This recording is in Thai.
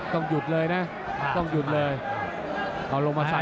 ต้องหยุดเลยนะ